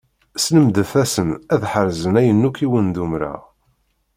Slemdet-asen ad ḥerzen ayen akk i wen-d-umṛeɣ.